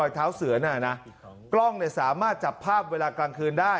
พบรอยเท้าเสือนะกร้องสามารถจับภาพเวลากลางคืนได้